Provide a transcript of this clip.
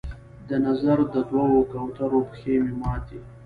د نظر د دوو کوترو پښې مې ماتي